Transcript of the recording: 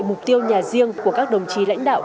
mục tiêu nhà riêng của các đồng chí lãnh đạo